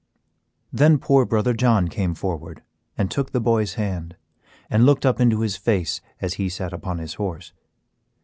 Then poor brother John came forward and took the boy's hand, and looked up into his face as he sat upon his horse.